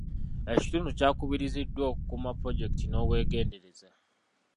Ekitundu kyakubiriziddwa okukuuma pulojekiti n'obwegendereza.